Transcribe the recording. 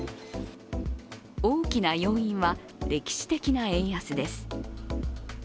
大きな要因は歴史的な円安です。